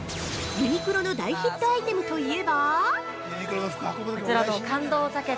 ◆ユニクロの大ヒットアイテムといえば◆